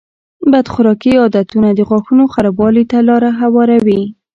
بد خوراکي عادتونه د غاښونو خرابوالي ته لاره هواروي.